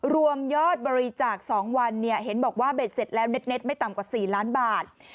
รวมยอดบริจาค๒วันเห็นบอกว่าเบ็ดเสร็จแล้วเน็ตไม่ต่ำกว่า๔ล้านบาท